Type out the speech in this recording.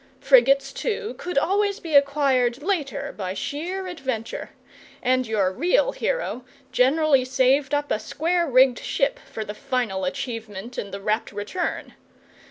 Frigates, too, could always be acquired later by sheer adventure; and your real hero generally saved up a square rigged ship for the final achievement and the rapt return.